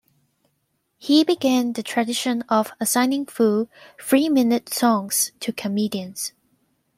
He began the tradition of assigning full, three-minute songs to comedians.